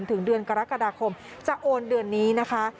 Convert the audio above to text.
ถึงเดือนกรกฎาคมจะโอนเดือนนี้นะคะ